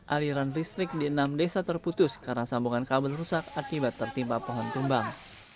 aliran listrik di enam desa terputus karena sambungan kabel rusak akibat tertimpa pohon tumbang